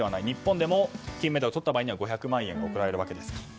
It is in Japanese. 日本でも金メダルをとった場合５００万円が贈られるわけです。